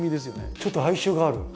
ちょっと哀愁がある。